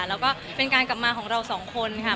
แล้วก็เป็นการกลับมาของเราสองคนค่ะ